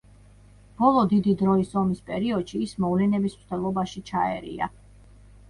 ბოლო დიდი დროის ომის პერიოდში ის მოვლენების მსვლელობაში ჩაერია.